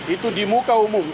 itu di muka umum